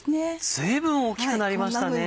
随分大きくなりましたね。